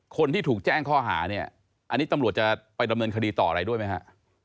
คนที่ถูกแจ้งข้อหาเนี่ยอันนี้ตำรวจจะไปดำเนินคดีต่ออะไรด้วยไหมฮะ